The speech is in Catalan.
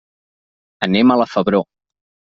Anem a la Febró.